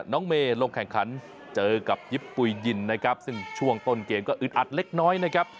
น้องเมย์ลงแข่งขันเจอกับยิปปุ๋ยยินนะครับซึ่งช่วงต้นเกมก็อึดอัดเล็กน้อยนะครับ